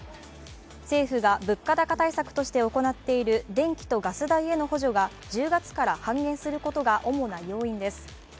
政府が物価高対策として行っている電気とガス代への補助が１０月から半減することが主な要因です。